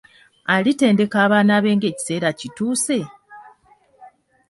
Alitendeka abaana be ng'ekiseera kituuse?